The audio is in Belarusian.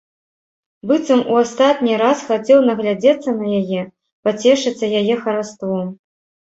Быццам у астатні раз хацеў наглядзецца на яе, пацешыцца яе хараством.